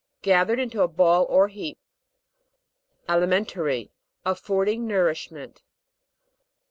Gathered into a ball or heap. ALIMEN'TARF. Affording nourish ment.